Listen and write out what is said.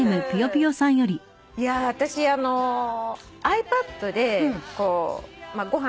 いや私ｉＰａｄでご飯